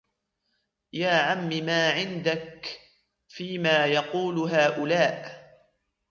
يَا عَمِّ مَا عِنْدَك فِيمَا يَقُولُ هَؤُلَاءِ